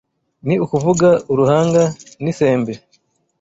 ni ukuvuga uruhanga n’isembe